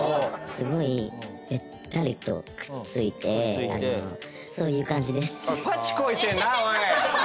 「すごいべったりとくっついてそういう感じです」おい！